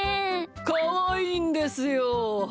かわいいんですよ。